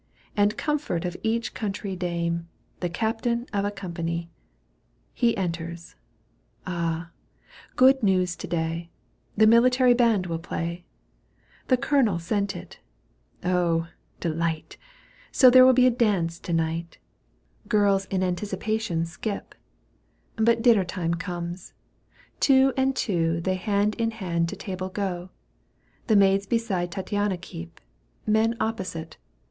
And comfort of each country dame. The captain of a company. He enters. Ah ! good news to day ! The military band will play. The colonel sent it. Oh ! delight ! So there wiU be a dance to night Girls in anticipation skip ! Digitized by VjOOQ 1С 144 EUGENE ON^GUINE. canto v. But dinner time comes. Two and two They hand in hand to table go. The maids beside Tattiana keep — Men Opposite.